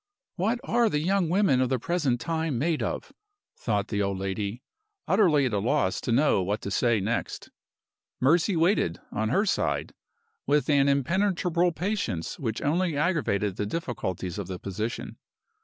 "What are the young women of the present time made of?" thought the old lady, utterly at a loss to know what to say next. Mercy waited, on her side, with an impenetrable patience which only aggravated the difficulties of the position.